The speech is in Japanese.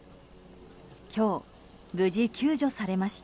今日、無事救助されました。